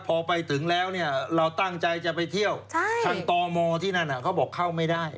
พอไปถึงแล้วเนี่ยเราตั้งใจจะไปเที่ยวทางตมที่นั่นเขาบอกเข้าไม่ได้